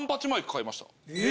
・え？